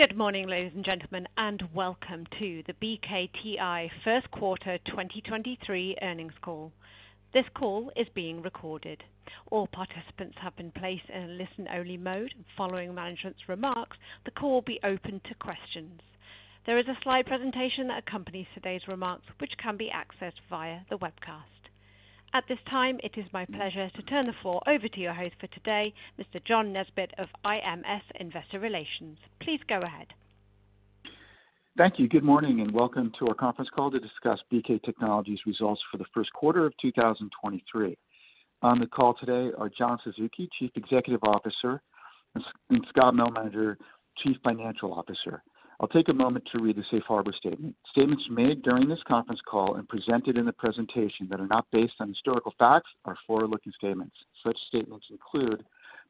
Good morning, ladies and gentlemen, welcome to the BKTI Q1 2023 earnings call. This call is being recorded. All participants have been placed in a listen-only mode. Following management's remarks, the call will be opened to questions. There is a slide presentation that accompanies today's remarks, which can be accessed via the webcast. At this time, it is my pleasure to turn the floor over to your host for today, Mr. John Nesbett of IMS Investor Relations. Please go ahead. Thank you. Good morning, welcome to our conference call to discuss BK Technologies results for the Q1 of 2023. On the call today are John Suzuki, Chief Executive Officer, and Scott Malmanger, Chief Financial Officer. I'll take a moment to read the safe harbor statement. Statements made during this conference call and presented in the presentation that are not based on historical facts are forward-looking statements. Such statements include,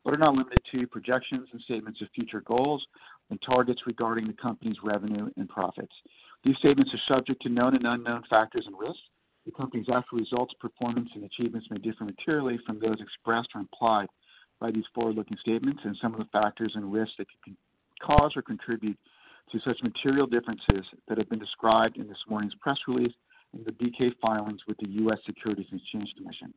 but are not limited to, projections and statements of future goals and targets regarding the company's revenue and profits. These statements are subject to known and unknown factors and risks. The company's actual results, performance, and achievements may differ materially from those expressed or implied by these forward-looking statements and some of the factors and risks that could cause or contribute to such material differences that have been described in this morning's press release and the BK filings with the U.S. Securities and Exchange Commission.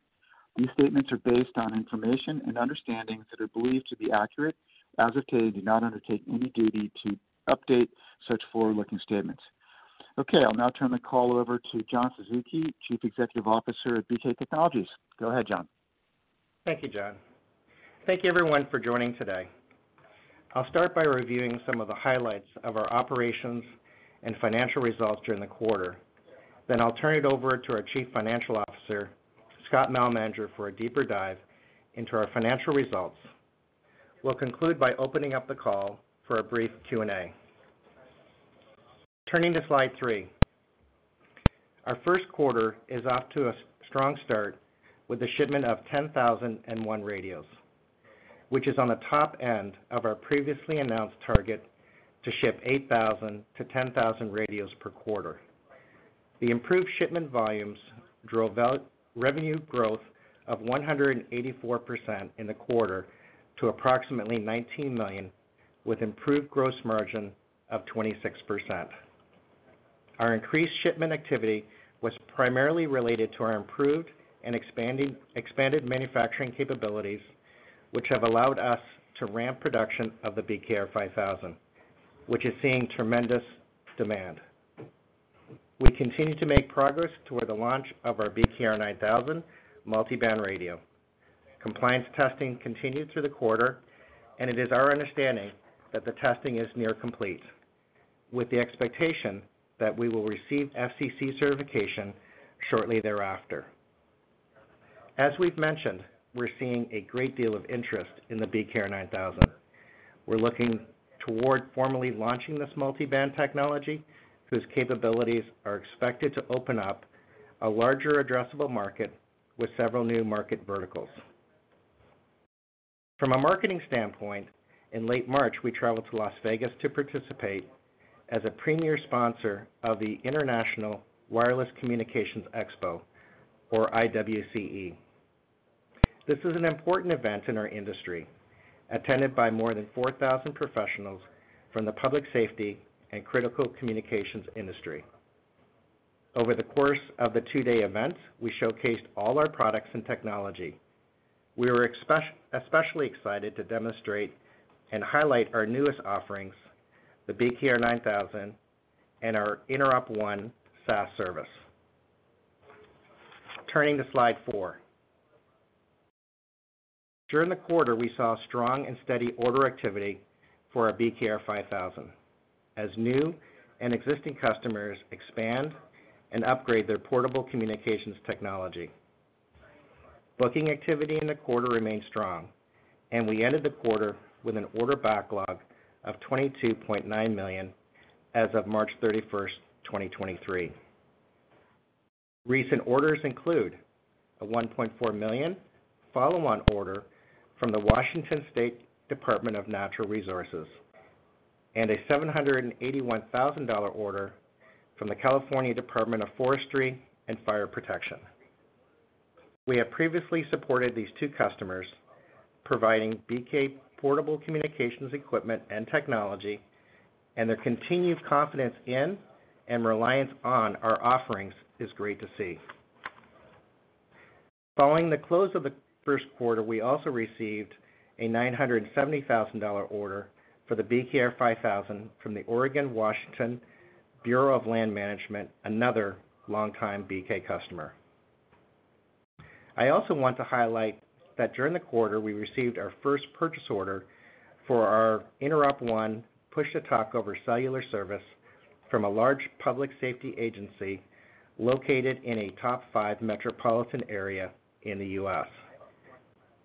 These statements are based on information and understandings that are believed to be accurate as of today and do not undertake any duty to update such forward-looking statements. Okay, I'll now turn the call over to John Suzuki, Chief Executive Officer at BK Technologies. Go ahead, John. Thank you, John. Thank you everyone for joining today. I'll start by reviewing some of the highlights of our operations and financial results during the quarter. I'll turn it over to our Chief Financial Officer, Scott Malmanger, for a deeper dive into our financial results. We'll conclude by opening up the call for a brief Q&A. Turning to slide three. Our Q1 is off to a strong start with a shipment of 10,001 radios, which is on the top end of our previously announced target to ship 8,000-10,000 radios per quarter. The improved shipment volumes drove out revenue growth of 184% in the quarter to approximately $19 million, with improved gross margin of 26%. Our increased shipment activity was primarily related to our improved and expanded manufacturing capabilities, which have allowed us to ramp production of the BKR 5000, which is seeing tremendous demand. We continue to make progress toward the launch of our BKR 9000 multiband radio. Compliance testing continued through the quarter. It is our understanding that the testing is near complete, with the expectation that we will receive FCC certification shortly thereafter. As we've mentioned, we're seeing a great deal of interest in the BKR 9000. We're looking toward formally launching this multiband technology, whose capabilities are expected to open up a larger addressable market with several new market verticals. From a marketing standpoint, in late March, we traveled to Las Vegas to participate as a premier sponsor of the International Wireless Communications Expo or IWCE. This is an important event in our industry, attended by more than 4,000 professionals from the public safety and critical communications industry. Over the course of the two-day event, we showcased all our products and technology. We were especially excited to demonstrate and highlight our newest offerings, the BKR 9000 and our InteropONE SaaS service. Turning to slide 4. During the quarter, we saw strong and steady order activity for our BKR-5000 as new and existing customers expand and upgrade their portable communications technology. Booking activity in the quarter remained strong, and we ended the quarter with an order backlog of $22.9 million as of March 31, 2023. Recent orders include a $1.4 million follow-on order from the Washington State Department of Natural Resources, and a $781,000 order from the California Department of Forestry and Fire Protection. We have previously supported these two customers, providing BK portable communications equipment and technology. Their continued confidence in and reliance on our offerings is great to see. Following the close of the Q1, we also received a $970,000 order for the BKR 5000 from the Oregon-Washington Bureau of Land Management, another longtime BK customer. I also want to highlight that during the quarter, we received our first purchase order for our InteropONE Push-to-Talk over Cellular service from a large public safety agency located in a top five metropolitan area in the U.S.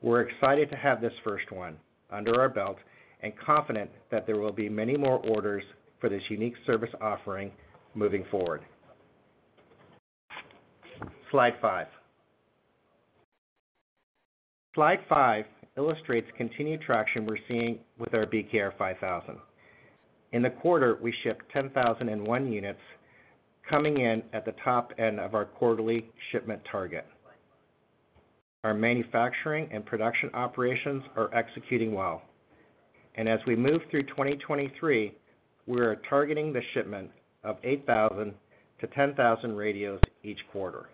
We're excited to have this first one under our belt and confident that there will be many more orders for this unique service offering moving forward. Slide 5. Slide 5 illustrates continued traction we're seeing with our BKR 5000. In the quarter, we shipped 10,001 units, coming in at the top end of our quarterly shipment target. Our manufacturing and production operations are executing well. As we move through 2023, we are targeting the shipment of 8,000-10,000 radios each quarter.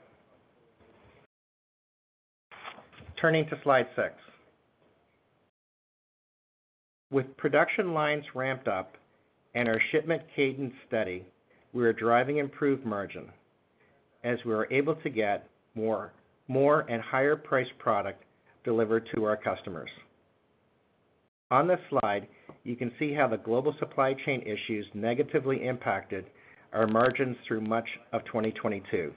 Turning to slide 6. With production lines ramped up and our shipment cadence steady, we are driving improved margin as we are able to get more and higher priced product delivered to our customers. On this slide, you can see how the global supply chain issues negatively impacted our margins through much of 2022.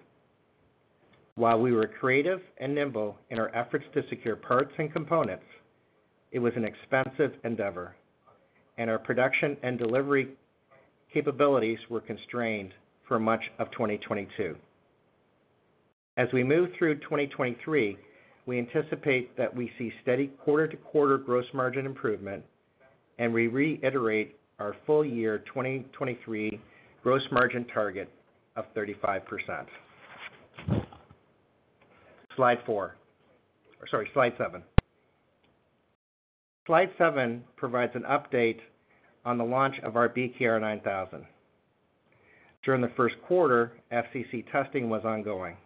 While we were creative and nimble in our efforts to secure parts and components, it was an expensive endeavor, and our production and delivery capabilities were constrained for much of 2022. As we move through 2023, we anticipate that we see steady quarter-to-quarter gross margin improvement, and we reiterate our full year 2023 gross margin target of 35%. Slide 4. Sorry, slide 7. Slide 7 provides an update on the launch of our BKR 9000. During the Q1, FCC testing was ongoing.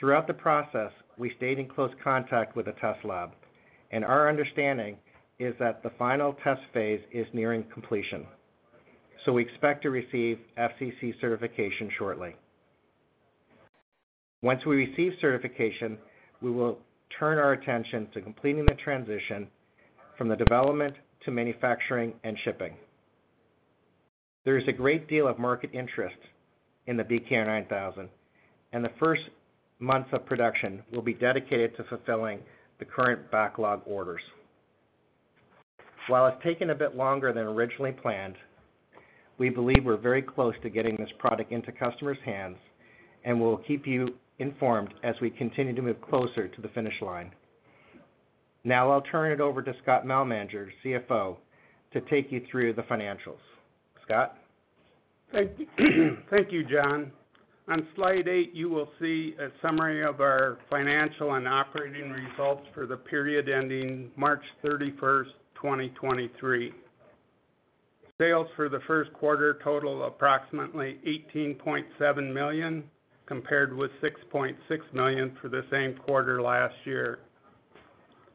Throughout the process, we stayed in close contact with the test lab, and our understanding is that the final test phase is nearing completion. We expect to receive FCC certification shortly. Once we receive certification, we will turn our attention to completing the transition from the development to manufacturing and shipping. There is a great deal of market interest in the BKR 9000, and the first months of production will be dedicated to fulfilling the current backlog orders. While it's taken a bit longer than originally planned, we believe we're very close to getting this product into customers' hands, and we'll keep you informed as we continue to move closer to the finish line. I'll turn it over to Scott Malmanger, CFO, to take you through the financials. Scott? Thank you, John. On slide 8, you will see a summary of our financial and operating results for the period ending March 31st, 2023. Sales for the Q1 totaled approximately $18.7 million, compared with $6.6 million for the same quarter last year.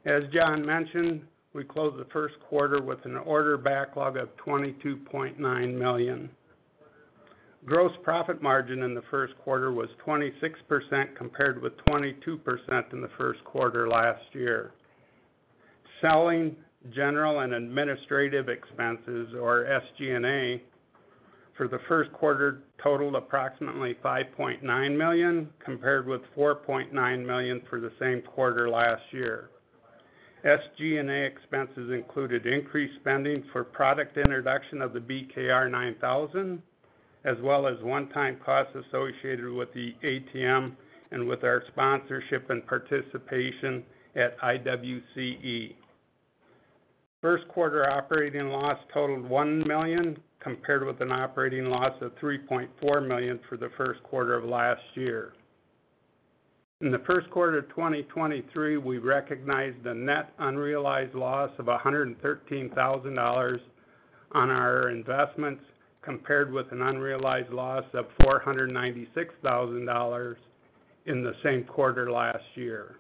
As John mentioned, we closed the Q1 with an order backlog of $22.9 million. Gross profit margin in the Q1 was 26%, compared with 22% in the Q1 last year. Selling, general, and administrative expenses, or SG&A, for the Q1 totaled approximately $5.9 million, compared with $4.9 million for the same quarter last year. SG&A expenses included increased spending for product introduction of the BKR 9000, as well as one-time costs associated with the ATM and with our sponsorship and participation at IWCE. Q1 operating loss totaled $1 million, compared with an operating loss of $3.4 million for the Q1 of last year. In the Q1 of 2023, we recognized a net unrealized loss of $113,000 on our investments, compared with an unrealized loss of $496,000 in the same quarter last year.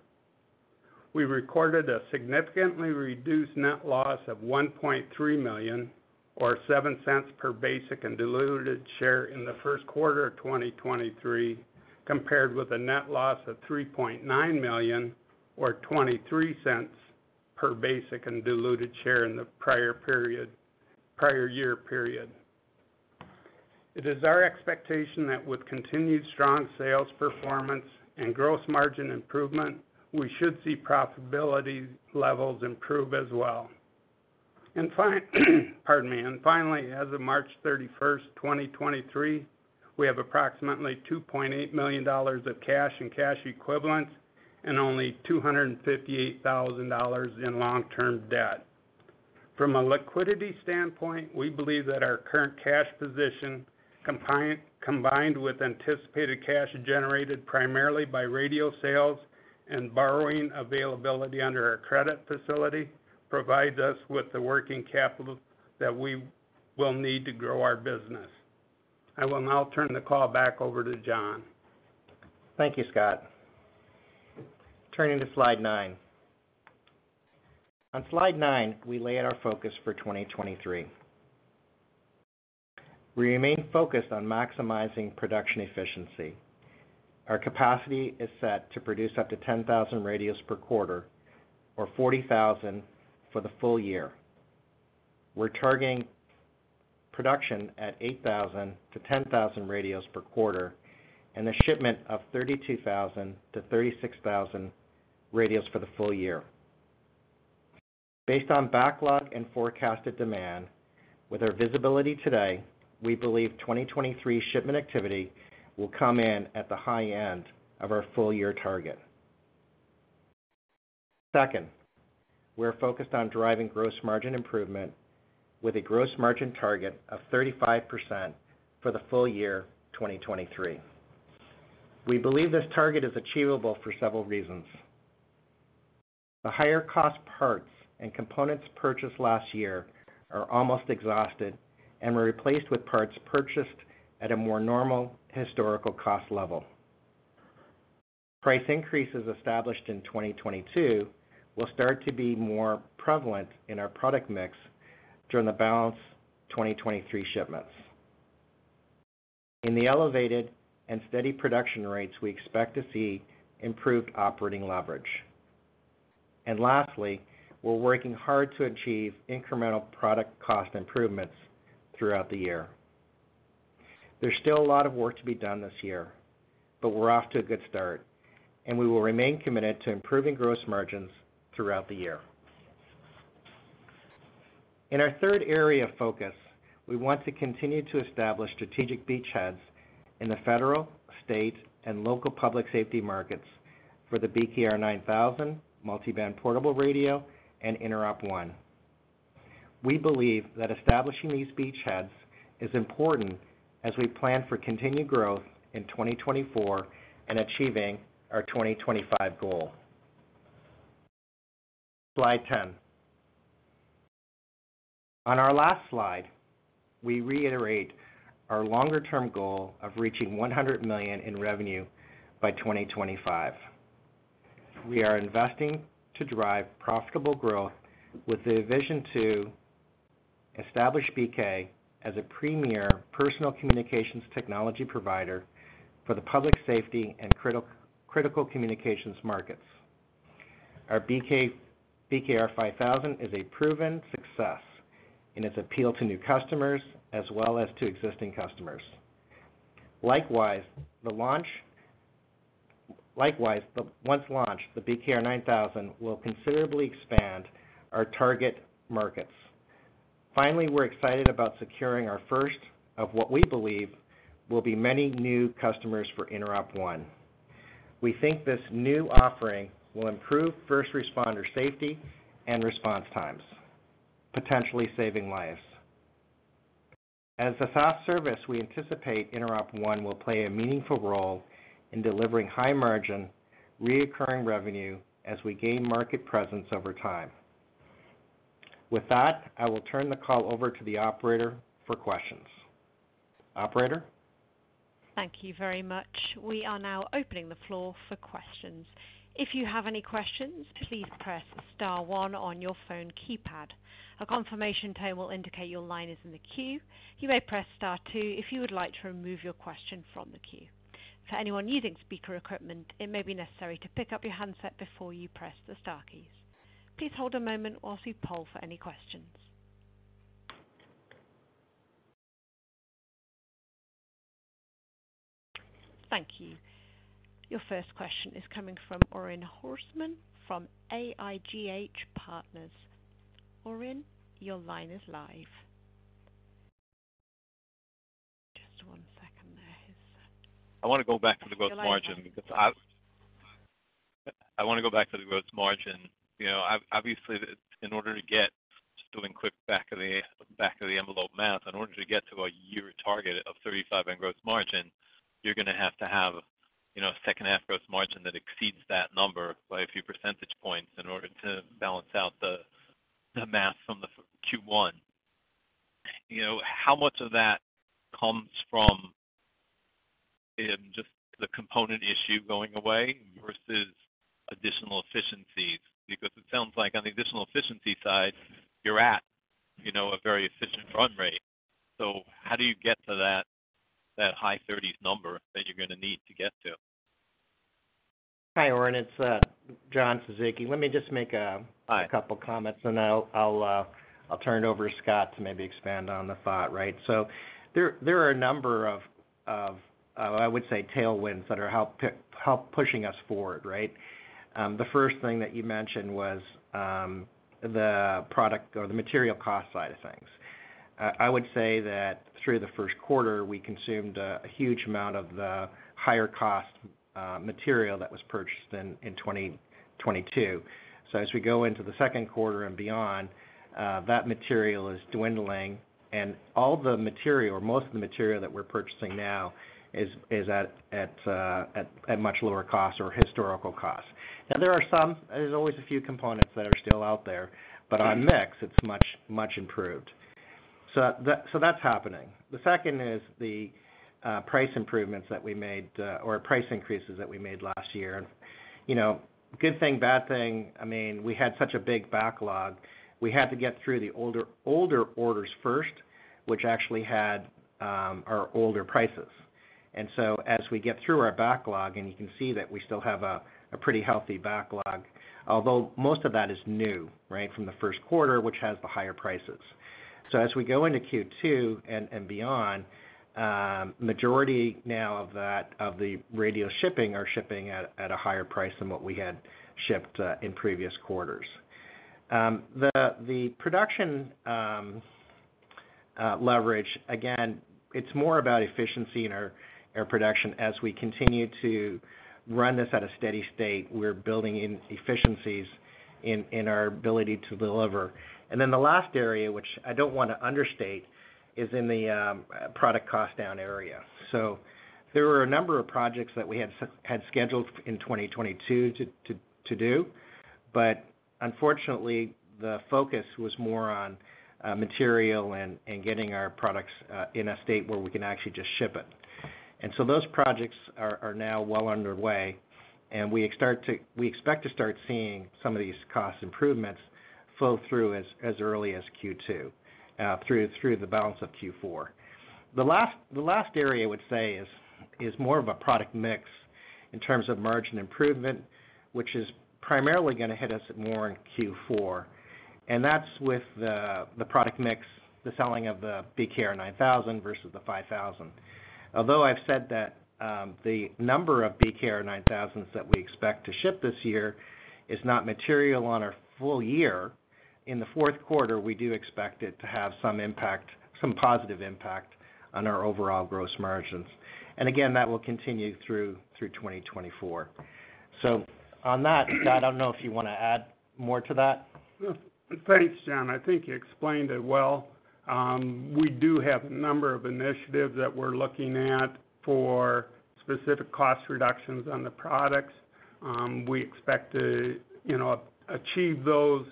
We recorded a significantly reduced net loss of $1.3 million or $0.07 per basic and diluted share in the Q1 of 2023, compared with a net loss of $3.9 million or $0.23 per basic and diluted share in the prior year period. It is our expectation that with continued strong sales performance and gross margin improvement, we should see profitability levels improve as well. Pardon me. Finally, as of March 31, 2023, we have approximately $2.8 million of cash and cash equivalents and only $258,000 in long-term debt. From a liquidity standpoint, we believe that our current cash position combined with anticipated cash generated primarily by radio sales and borrowing availability under our credit facility, provides us with the working capital that we will need to grow our business. I will now turn the call back over to John. Thank you, Scott. Turning to slide 9. On slide 9, we lay out our focus for 2023. We remain focused on maximizing production efficiency. Our capacity is set to produce up to 10,000 radios per quarter or 40,000 for the full year. We're targeting production at 8,000 to 10,000 radios per quarter and the shipment of 32,000 to 36,000 radios for the full year. Based on backlog and forecasted demand, with our visibility today, we believe 2023 shipment activity will come in at the high end of our full year target. Second, we are focused on driving gross margin improvement with a gross margin target of 35% for the full year 2023. We believe this target is achievable for several reasons. The higher cost parts and components purchased last year are almost exhausted and were replaced with parts purchased at a more normal historical cost level. Price increases established in 2022 will start to be more prevalent in our product mix during the balance 2023 shipments. In the elevated and steady production rates, we expect to see improved operating leverage. Lastly, we're working hard to achieve incremental product cost improvements throughout the year. There's still a lot of work to be done this year, but we're off to a good start, and we will remain committed to improving gross margins throughout the year. In our third area of focus, we want to continue to establish strategic beachheads in the federal, state, and local public safety markets for the BKR 9000 multiband portable radio and InteropONE. We believe that establishing these beachheads is important as we plan for continued growth in 2024 and achieving our 2025 goal. Slide 10. On our last slide, we reiterate our longer-term goal of reaching $100 million in revenue by 2025. We are investing to drive profitable growth with the vision to establish BK as a premier personal communications technology provider for the public safety and critical communications markets. Our BKR 5000 is a proven success in its appeal to new customers as well as to existing customers. Likewise, once launched, the BKR 9000 will considerably expand our target markets. Finally, we're excited about securing our first of what we believe will be many new customers for InteropONE. We think this new offering will improve first responder safety and response times, potentially saving lives. As a fast service, we anticipate InteropONE will play a meaningful role in delivering high margin, recurring revenue as we gain market presence over time. With that, I will turn the call over to the operator for questions. Operator? Thank you very much. We are now opening the floor for questions. If you have any questions, please press star one on your phone keypad. A confirmation tone will indicate your line is in the queue. You may press star two if you would like to remove your question from the queue. For anyone using speaker equipment, it may be necessary to pick up your handset before you press the star keys. Please hold a moment while we poll for any questions. Thank you. Your first question is coming from Orin Hirschman from AIGH Partners. Orin, your line is live. Just one second there. I want to go back to the gross margin because I. Go ahead. I want to go back to the gross margin. You know, obviously, in order to get, just doing quick back of the envelope math, in order to get to a year target of 35% in gross margin, you're going to have to have, you know, a second half gross margin that exceeds that number by a few percentage points in order to balance out the math from the Q1. You know, how much of that comes from in just the component issue going away versus additional efficiencies? Because it sounds like on the additional efficiency side, you're at, you know, a very efficient run rate. How do you get to that high thirties number that you're going to need to get to? Hi, Orin. It's, John Suzuki. Let me just make. Hi. Couple comments, I'll turn it over to Scott to maybe expand on the thought, right? There are a number of I would say tailwinds that are help pushing us forward, right? The first thing that you mentioned was the product or the material cost side of things. I would say that through the Q1 we consumed a huge amount of the higher cost material that was purchased in 2022. As we go into the Q2 and beyond, that material is dwindling, and all the material, most of the material that we're purchasing now is at much lower cost or historical cost. There's always a few components that are still out there, but on mix it's much improved. That's happening. The second is the price improvements that we made or price increases that we made last year. You know, good thing, bad thing, I mean, we had such a big backlog. We had to get through the older orders first, which actually had our older prices. As we get through our backlog, and you can see that we still have a pretty healthy backlog, although most of that is new, right, from the Q1, which has the higher prices. As we go into Q2 and beyond, majority now of that, of the radio shipping are shipping at a higher price than what we had shipped in previous quarters. The production leverage. Again, it's more about efficiency in our production. As we continue to run this at a steady state, we're building in efficiencies in our ability to deliver. The last area, which I don't wanna understate, is in the product cost down area. There were a number of projects that we had scheduled in 2022 to do, but unfortunately, the focus was more on material and getting our products in a state where we can actually just ship it. Those projects are now well underway, and we expect to start seeing some of these cost improvements flow through as early as Q2 through the balance of Q4. The last area I would say is more of a product mix in terms of margin improvement, which is primarily gonna hit us more in Q4, and that's with the product mix, the selling of the BKR 9000 versus the BKR 5000. Although I've said that, the number of BKR 9000s that we expect to ship this year is not material on our full year. In the Q4, we do expect it to have some impact, some positive impact on our overall gross margins. Again, that will continue through 2024. On that, I don't know if you wanna add more to that. Yeah. Thanks, John. I think you explained it well. We do have a number of initiatives that we're looking at for specific cost reductions on the products. We expect to, you know, achieve those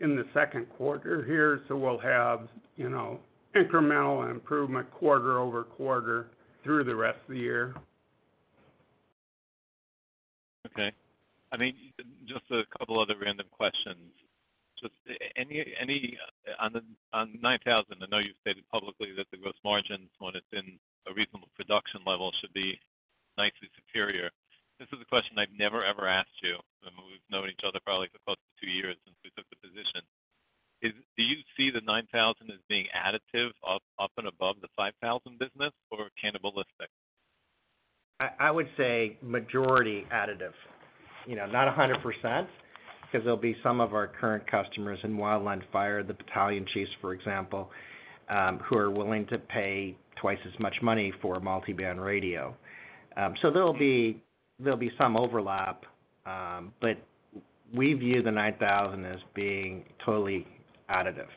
in the Q2 here, so we'll have, you know, incremental improvement quarter over quarter through the rest of the year. Okay. I mean, just a couple other random questions. On the BKR 9000, I know you've stated publicly that the gross margins, when it's in a reasonable production level, should be nicely superior. Do you see the BKR 9000 as being additive up and above the BKR 5000 business or cannibalistic? I would say majority additive. You know, not 100% 'cause there'll be some of our current customers in wildland fire, the battalion chiefs, for example, who are willing to pay 2x as much money for multiband radio. There'll be some overlap, but we view the BKR 9000 as being totally additive.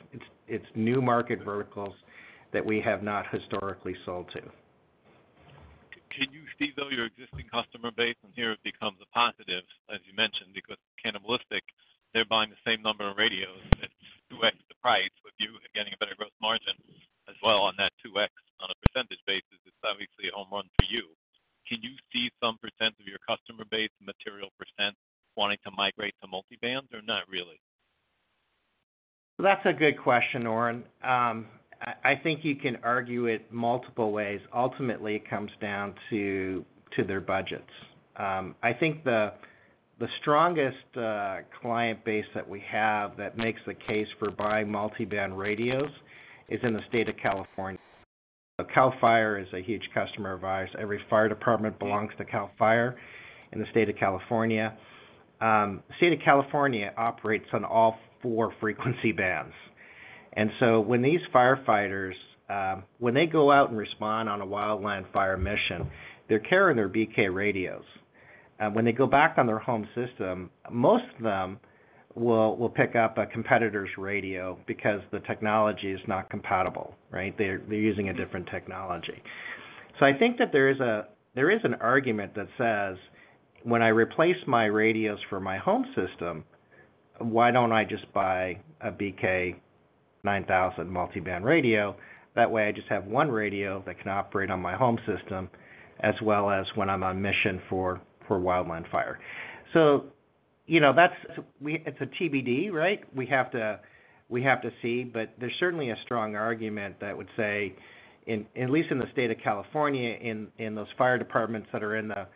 It's new market verticals that we have not historically sold to. Can you see, though, your existing customer base, and here it becomes a positive, as you mentioned, because cannibalistic, they're buying the same number of radios at 2x the price with you and getting a better gross margin as well on that 2x. On a percentage basis, it's obviously a home run for you. Can you see some % of your customer base, material %, wanting to migrate to multiband or not really? That's a good question, Orin. I think you can argue it multiple ways. Ultimately, it comes down to their budgets. I think the strongest client base that we have that makes the case for buying multiband radios is in the state of California. CAL FIRE is a huge customer of ours. Every fire department belongs to CAL FIRE in the State of California. State of California operates on all four frequency bands. When these firefighters, when they go out and respond on a wildland fire mission, they're carrying their BK radios. When they go back on their home system, most of them will pick up a competitor's radio because the technology is not compatible, right? They're using a different technology. I think that there is an argument that says, "When I replace my radios for my home system, why don't I just buy a BK 9000 multiband radio?" That way, I just have one radio that can operate on my home system as well as when I'm on mission for wildland fire. You know, it's a TBD, right? We have to see, but there's certainly a strong argument that would say in, at least in the state of California, in those fire departments that are in the,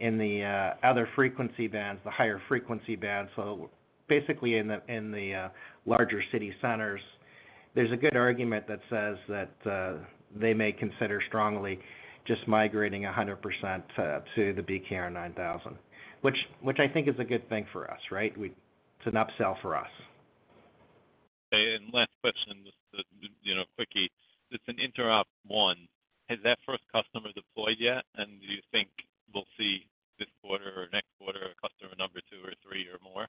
in the other frequency bands, the higher frequency bands, so basically in the, in the larger city centers, there's a good argument that says that they may consider strongly just migrating 100% to the BKR 9000, which I think is a good thing for us, right? It's an upsell for us. Okay. Last question, just a, you know, quickie. Just an InteropONE, has that first customer deployed yet? Do you think we'll see this quarter or next quarter a customer number two or three or more?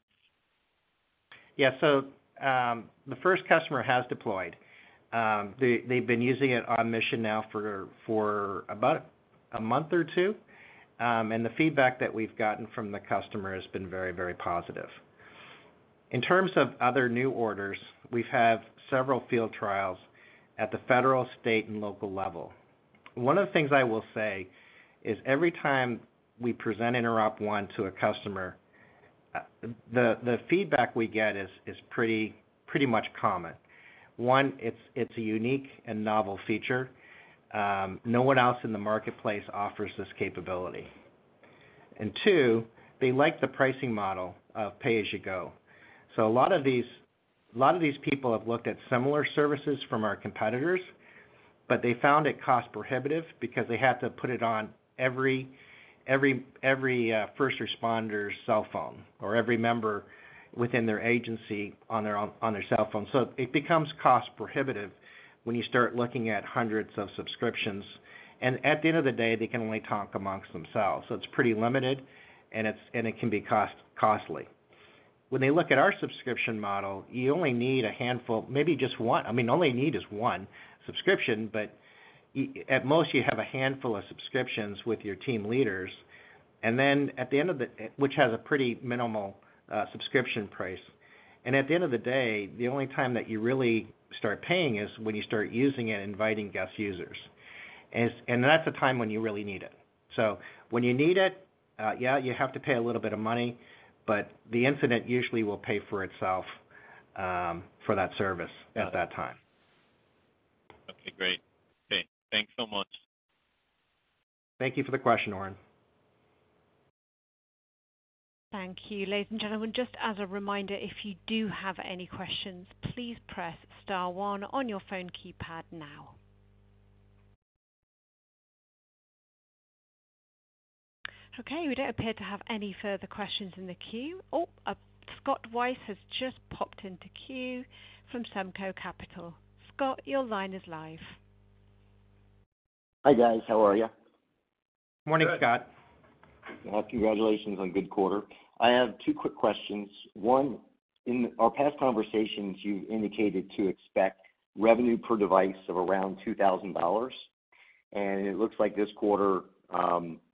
The first customer has deployed. They've been using it on mission now for about a month or two, and the feedback that we've gotten from the customer has been very, very positive. In terms of other new orders, we've had several field trials at the federal, state, and local level. One of the things I will say is every time we present InteropONE to a customer, the feedback we get is pretty much common. One, it's a unique and novel feature. No one else in the marketplace offers this capability. Two, they like the pricing model of pay-as-you-go. A lot of these people have looked at similar services from our competitors. They found it cost prohibitive because they have to put it on every first responder's cell phone or every member within their agency on their cell phone. It becomes cost prohibitive when you start looking at hundreds of subscriptions, and at the end of the day, they can only talk amongst themselves. It's pretty limited, and it can be costly. When they look at our subscription model, you only need a handful, maybe just one. I mean, all you need is one subscription, but at most, you have a handful of subscriptions with your team leaders. Which has a pretty minimal subscription price. At the end of the day, the only time that you really start paying is when you start using it, inviting guest users. That's the time when you really need it. When you need it, yeah, you have to pay a little bit of money, but the incident usually will pay for itself for that service at that time. Okay, great. Okay, thanks so much. Thank you for the question, Orin. Thank you. Ladies and gentlemen, just as a reminder, if you do have any questions, please press star one on your phone keypad now. We don't appear to have any further questions in the queue. Scott Weis has just popped into queue from Semco Capital. Scott, your line is live. Hi, guys. How are you? Morning, Scott. Well, congratulations on good quarter. I have two quick questions. One, in our past conversations, you indicated to expect revenue per device of around $2,000, and it looks like this quarter,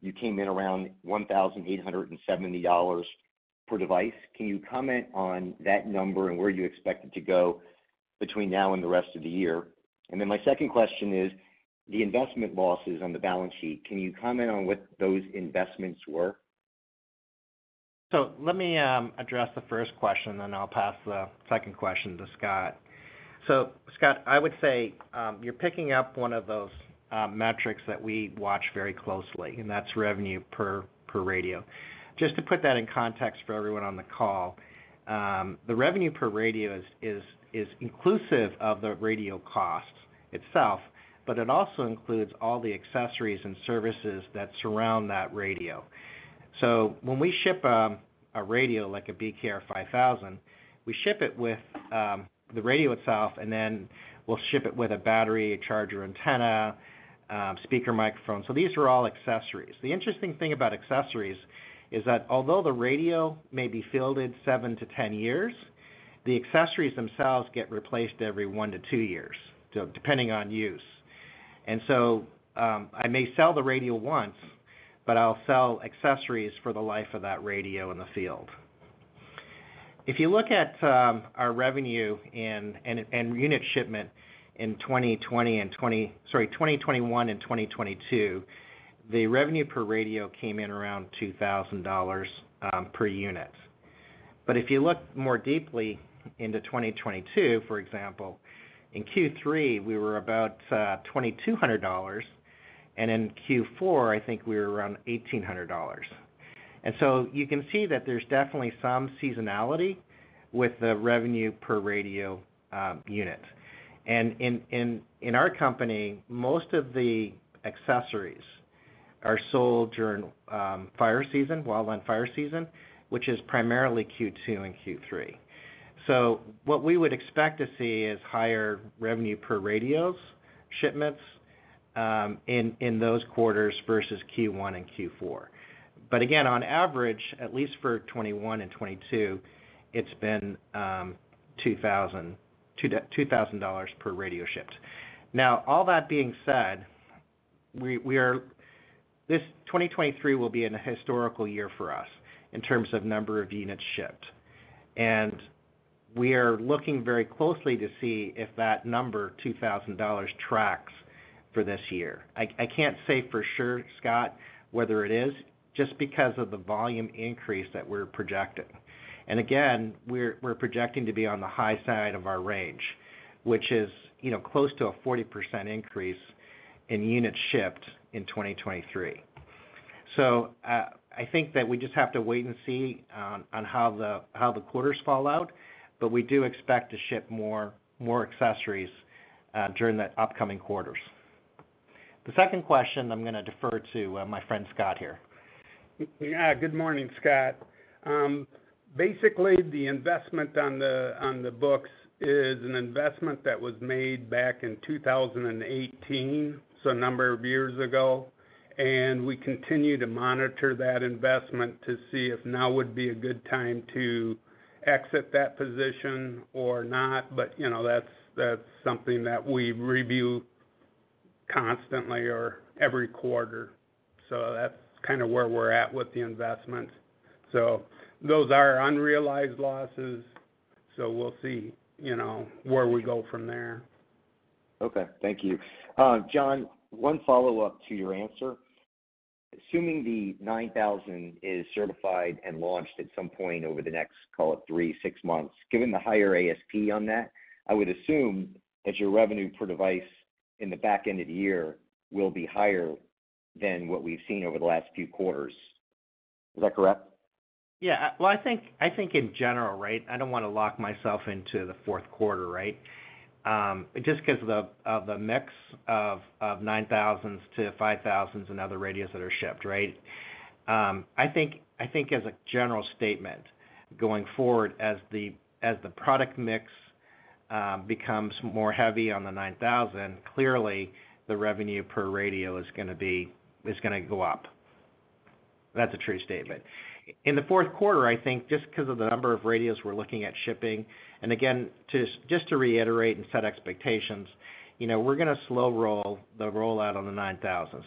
you came in around $1,870 per device. Can you comment on that number and where you expect it to go between now and the rest of the year? My second question is the investment losses on the balance sheet. Can you comment on what those investments were? Let me address the first question, then I'll pass the second question to Scott. Scott, I would say, you're picking up one of those metrics that we watch very closely, and that's revenue per radio. Just to put that in context for everyone on the call, the revenue per radio is inclusive of the radio cost itself, but it also includes all the accessories and services that surround that radio. When we ship a radio like a BKR-5000, we ship it with the radio itself, and then we'll ship it with a battery, a charger, antenna, speaker, microphone. These are all accessories. The interesting thing about accessories is that although the radio may be fielded 7-10 years, the accessories themselves get replaced every 1-2 years, depending on use. I may sell the radio once, but I'll sell accessories for the life of that radio in the field. If you look at our revenue and unit shipment in 2020, sorry, 2021 and 2022, the revenue per radio came in around $2,000 per unit. If you look more deeply into 2022, for example, in Q3, we were about $2,200, and in Q4, I think we were around $1,800. You can see that there's definitely some seasonality with the revenue per radio unit. In our company, most of the accessories are sold during fire season, wildland fire season, which is primarily Q2 and Q3. What we would expect to see is higher revenue per radios shipments in those quarters versus Q1 and Q4. Again, on average, at least for 2021 and 2022, it's been $2,000 per radio shipped. All that being said, 2023 will be an historical year for us in terms of number of units shipped. We are looking very closely to see if that number, $2,000, tracks for this year. I can't say for sure, Scott, whether it is just because of the volume increase that we're projecting. Again, we're projecting to be on the high side of our range, which is, you know, close to a 40% increase in units shipped in 2023. I think that we just have to wait and see on how the quarters fall out, but we do expect to ship more accessories during the upcoming quarters. The second question I'm gonna defer to my friend Scott here. Yeah. Good morning, Scott. Basically, the investment on the, on the books is an investment that was made back in 2018, so a number of years ago. We continue to monitor that investment to see if now would be a good time to exit that position or not. You know, that's something that we review constantly or every quarter. That's kind of where we're at with the investment. Those are unrealized losses, so we'll see, you know, where we go from there. Okay. Thank you. John, one follow-up to your answer. Assuming the BKR 9000 is certified and launched at some point over the next, call it three, six months, given the higher ASP on that, I would assume that your revenue per device in the back end of the year will be higher than what we've seen over the last few quarters. Is that correct? Yeah. Well, I think, I think in general, right? I don't wanna lock myself into the Q4, right? Just 'cause of the, of the mix of 9000s to 5000s and other radios that are shipped, right? I think, I think as a general statement going forward, as the, as the product mix, becomes more heavy on the 9000, clearly the revenue per radio is gonna go up. That's a true statement. In the Q4, I think just 'cause of the number of radios we're looking at shipping, and again, just to reiterate and set expectations, you know, we're gonna slow roll the rollout on the 9000.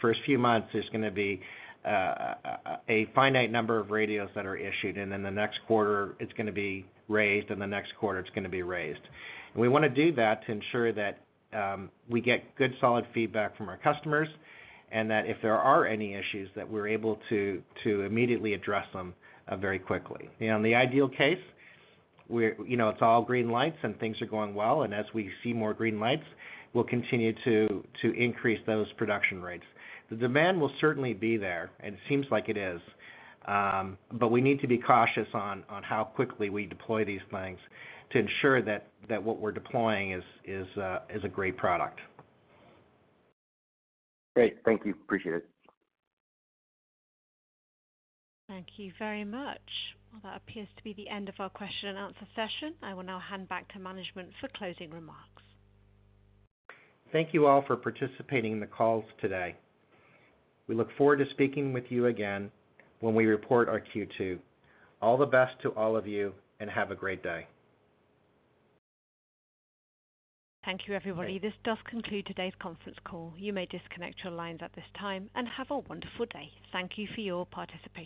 First few months is gonna be a finite number of radios that are issued, and then the next quarter it's gonna be raised, and the next quarter it's gonna be raised. We wanna do that to ensure that we get good, solid feedback from our customers, and that if there are any issues, that we're able to immediately address them very quickly. In the ideal case, we're, you know, it's all green lights and things are going well, and as we see more green lights, we'll continue to increase those production rates. The demand will certainly be there, and it seems like it is. We need to be cautious on how quickly we deploy these things to ensure that what we're deploying is a great product. Great. Thank you. Appreciate it. Thank you very much. That appears to be the end of our question and answer session. I will now hand back to management for closing remarks. Thank you all for participating in the calls today. We look forward to speaking with you again when we report our Q2. All the best to all of you, and have a great day. Thank you, everybody. This does conclude today's conference call. You may disconnect your lines at this time, and have a wonderful day. Thank you for your participation.